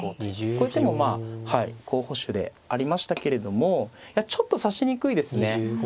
こういう手も候補手でありましたけれどもちょっと指しにくいですね。